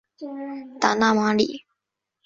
达讷马里。